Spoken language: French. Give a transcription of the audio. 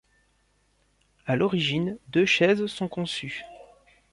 À l'origine, deux chaises sont conçues.